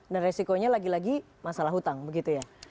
dan risikonya lagi lagi masalah hutang begitu ya